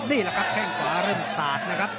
นี่แหละครับแข้งขวาเริ่มสาดนะครับ